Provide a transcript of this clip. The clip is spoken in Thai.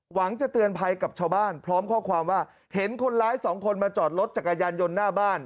จะเตือนภัยกับชาวบ้านพร้อมข้อความว่าเห็นคนร้ายสองคนมาจอดรถจักรยานยนต์หน้าบ้าน